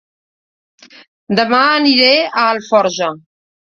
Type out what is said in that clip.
Dema aniré a Alforja